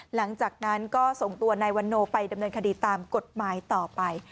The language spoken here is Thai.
หลังจากนั้นก็ส่งตัวนายวันโนไปดำเนินคดีตามกฎหมายต่อไป